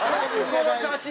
この写真！